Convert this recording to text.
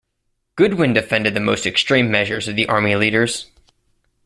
Goodwin defended the most extreme measures of the army leaders.